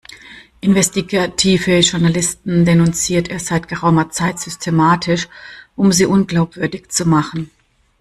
Investigative Journalisten denunziert er seit geraumer Zeit systematisch, um sie unglaubwürdig zu machen.